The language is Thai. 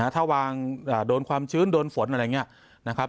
ถ้าวางโดนความชื้นโดนฝนอะไรอย่างนี้นะครับ